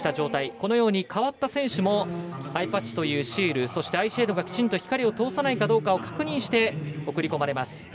このように代わった選手もアイパッチというシールそしてアイシェードがきちんと光を通さないかどうか確認して、送り込まれます。